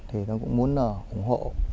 thì tôi cũng muốn ủng hộ